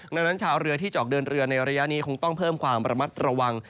ดังนั้นชาวเรือที่จะออกเดินเรือในระยะนี้คงต้องเพิ่มความระมัดระวัง